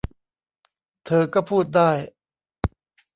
เธอก็พูดได้